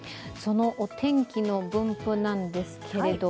そのお天気の分布なんですけれども。